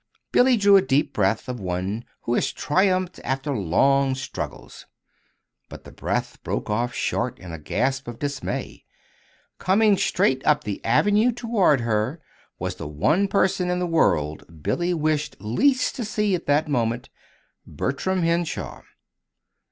Billy drew the deep breath of one who has triumphed after long struggles but the breath broke off short in a gasp of dismay: coming straight up the Avenue toward her was the one person in the world Billy wished least to see at that moment Bertram Henshaw.